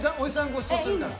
ごちそうするから。